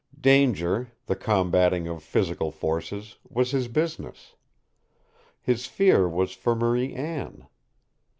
Danger, the combating of physical forces, was his business. His fear was for Marie Anne.